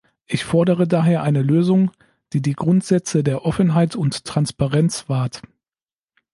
Ich fordere daher eine Lösung, die die Grundsätze der Offenheit und Transparenz wahrt.